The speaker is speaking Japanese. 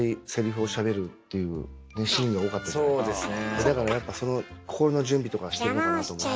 だからやっぱその心の準備とかしてるのかなと思って。